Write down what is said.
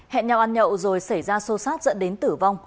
hẹn nhau ăn nhậu rồi xảy ra sâu sát dẫn đến tử vong